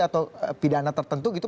atau pidana tertentu gitu